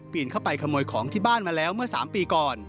เข้าไปขโมยของที่บ้านมาแล้วเมื่อ๓ปีก่อน